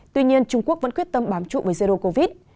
tuy nhiên trung quốc vẫn quyết tâm bám trụ với jero covid